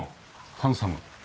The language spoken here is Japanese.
ハンサム。